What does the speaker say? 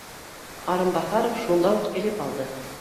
Арынбаҫаров шунда уҡ элеп алды: